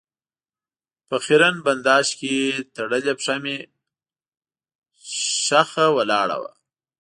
په خېرن بنداژ کې تړلې پښه مې ښخه ولاړه وه.